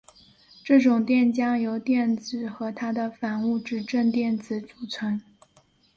这种电浆由电子和它的反物质正电子组成。